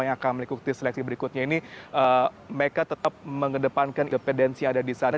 yang akan mengikuti seleksi berikutnya ini mereka tetap mengedepankan independensi yang ada di sana